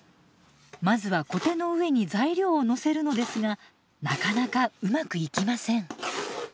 まずはコテの上に材料をのせるのですがなかなかうまくいきません。